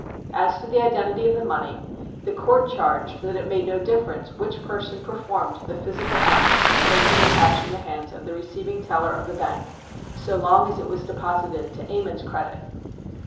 As to the identity of the money, the Court charged that it made no difference which person performed the physical act of placing the cash in the hands of the receiving teller of the bank, so long as it was deposited to Ammon's credit.